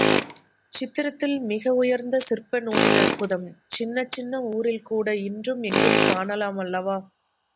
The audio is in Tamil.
சித்திரத்தில் மிக உயர்ந்த சிற்ப நூலின் அற்புதம் சின்னச் சின்ன ஊரில் கூட இன்றும் எங்கும் காணலாம் அல்லவா?